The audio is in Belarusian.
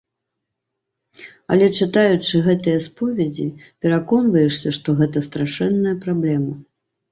Але, чытаючы гэтыя споведзі, пераконваешся, што гэта страшэнная праблема.